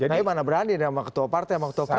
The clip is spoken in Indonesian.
tapi mana berani nih sama ketua partai sama ketua praksi